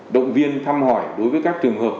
động viên thăm hỏi đối với các trường hợp